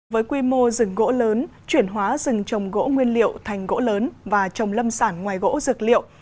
với quy mô rừng gỗ lớn chuyển hóa rừng trồng gỗ nguyên liệu thành gỗ lớn và trồng lâm sản ngoài gỗ dược liệu